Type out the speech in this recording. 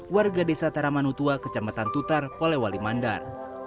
warga desa taramanutua kecamatan tutar polewali mandar